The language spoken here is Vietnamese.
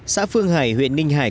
xã phương hải huyện ninh hải